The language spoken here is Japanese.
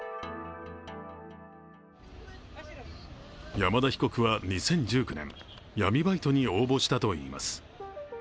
山田被告は２０１９年、闇バイトに応募したといいます。